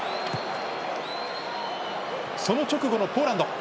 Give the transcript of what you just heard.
その直後のポーランド。